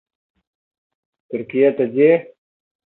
ترکیې ته ځي